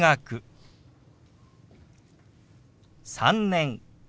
「３年」。